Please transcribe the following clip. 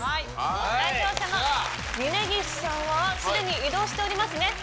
代表者の峯岸さんはすでに移動しておりますね。